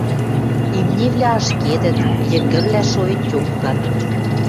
Имнивлӓ ашкедӹт, йӹнгӹлвлӓ шоэн тьонгат.